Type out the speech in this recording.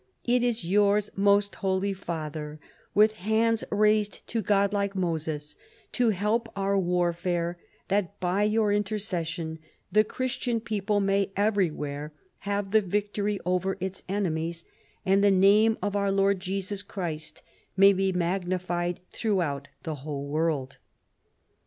It is yours, most holy father, with hands raised to God like Moses, to help our warfare ; that by your intercession the Christian people may everywhere have the victory over its enemies, and the name of our Lord Jesus Christ may be magnified throughout, the whole world."